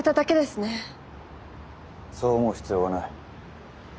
そう思う必要はない。